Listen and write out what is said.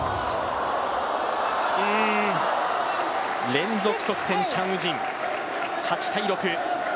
連続得点、チャン・ウジン。